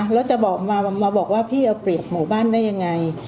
แล้วจะมาบอกว่าพี่เอาเปรียบหมู่บ้านได้ยังไง